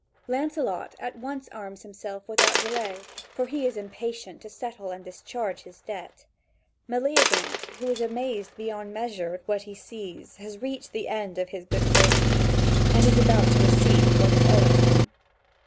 Lancelot at once arms himself without delay; for he is impatient to settle and discharge his debt. Meleagant, who is amazed beyond measure at what he sees, has reached the end of his good fortunes, and is about to receive what is owing him.